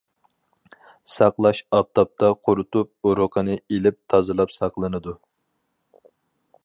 ساقلاش ئاپتاپتا قۇرۇتۇپ ئۇرۇقىنى ئېلىپ تازىلاپ ساقلىنىدۇ.